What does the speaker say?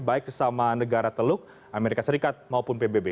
baik sesama negara teluk amerika serikat maupun pbb